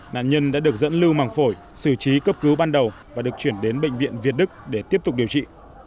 nạn nhân đã được dẫn lưu màng phổi xử trí cấp cứu ban đầu và được chuyển đến bệnh viện việt đức để tiếp tục điều trị